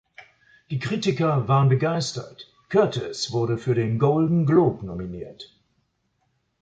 Die Kritiker waren begeistert, Curtis wurde für den Golden Globe nominiert.